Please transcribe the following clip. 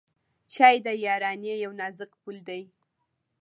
چای د یارانۍ یو نازک پُل دی.